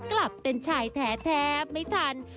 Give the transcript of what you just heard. กลับเป็นชายแท้ไม่ทัน